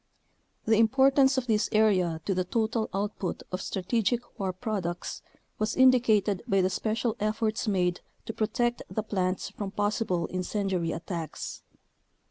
The importance of this area to the total output of strategic war products was indicated by the special efforts made to protect the plants from possible incendiary attacks.